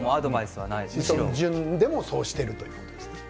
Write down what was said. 淳でもそうしているということですか？